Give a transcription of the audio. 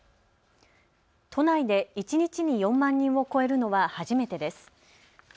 都内で一日に４万人を超えるのは初めてです。